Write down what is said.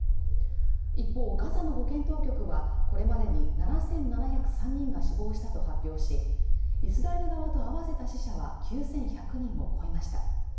一方、ガザの保健当局はこれまでに７７０３人が死亡したと発表し、イスラエル側と合わせた死者は９１００人を超えました。